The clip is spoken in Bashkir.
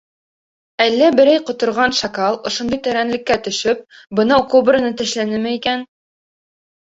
— Әллә берәй ҡоторған шакал, ошондай тәрәнлеккә төшөп, бынау кобраны тешләнеме икән?